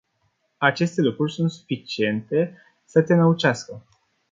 Aceste lucruri sunt suficiente să te năucească.